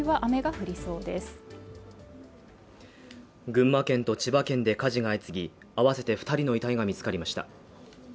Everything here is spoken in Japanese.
群馬県と千葉県で火事が相次ぎ、合わせて２人の遺体が見つかりました。